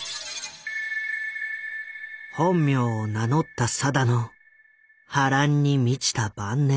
本名を名乗った定の波乱に満ちた晩年とは？